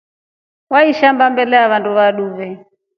Waishamba mbele ya vandu vatrue.